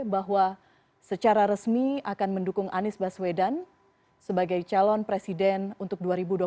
bahwa secara resmi akan mendukung anies baswedan sebagai calon presiden untuk dua ribu dua puluh empat